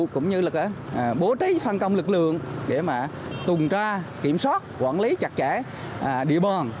cũng như bố trí phân công lực lượng để tùng tra kiểm soát quản lý chặt chẽ địa bòn